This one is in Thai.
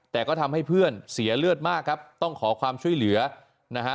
แต่ก็ทำให้เพื่อนเสียเลือดมากครับต้องขอความช่วยเหลือนะฮะ